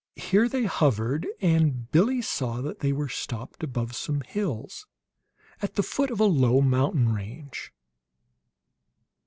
Here they hovered, and Billie saw that they were stopped above some hills at the foot of a low mountain range.